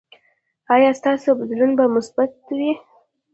ایا ستاسو بدلون به مثبت وي؟